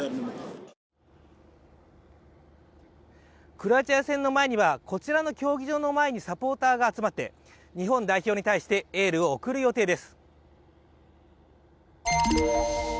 クロアチア戦の前にはこちらの競技場の前にサポーターが集まって、日本代表に対してエールを送る予定です。